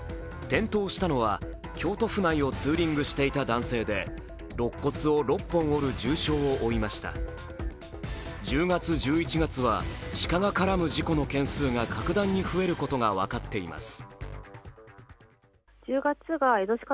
転倒したのは京都府内をツーリングしていた男性でろっ骨を６本折る重傷を負いました１０月、１１月は鹿が絡む事故の件数が格段に増えることが分かっています。